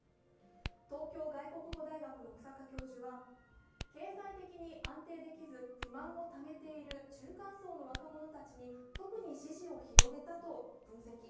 東京外国語大学の日下教授は経済的に安定できず不満をためている中間層の若者たちに特に支持を広げたと分析。